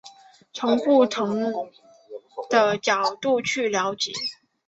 从不同角度去了解